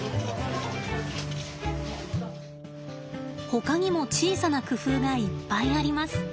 ほかにも小さな工夫がいっぱいあります。